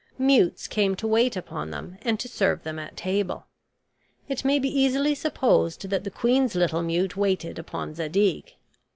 Mutes came to wait upon them and to serve them at table. It may be easily supposed that the queen's little mute waited upon Zadig.